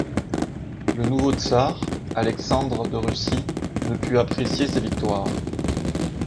Le nouveau tsar, Alexandre de Russie ne put apprécier ses victoires.